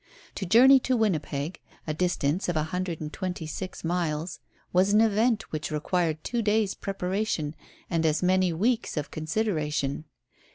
To journey to Winnipeg, a distance of a hundred and twenty six miles, was an event which required two days' preparation and as many weeks of consideration.